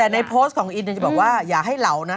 แต่ในโพสต์ของอินจะบอกว่าอย่าให้เหลานะ